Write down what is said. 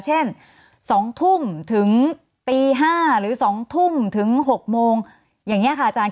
เช่น๒ทุ่มถึงตี๕หรือ๒ทุ่มถึง๖โมงอย่างนี้ค่ะอาจารย์